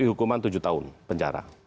hukuman tujuh tahun penjara